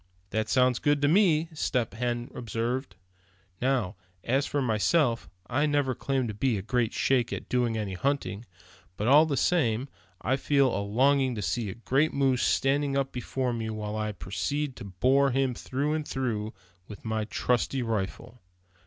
"That sounds good to me," Step Hen observed. "Now, as for myself, I never claimed to be great shakes at doing any hunting; but all the same, I feel a longing to see a great moose standing up before me while I proceed to bore him through and through with my trusty rifle."